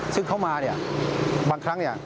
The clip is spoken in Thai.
ซึ่งเขามาเนี่ยบางครั้งเนี่ย